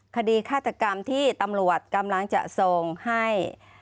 คดีฆาตกรรมที่ตำรวจกำลังจะส่งให้